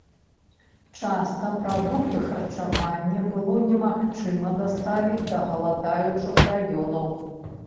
Часта прадукты харчавання было немагчыма даставіць да галадаючых раёнаў.